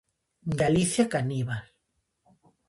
Galicia Caníbal.